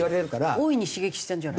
大いに刺激してるじゃない。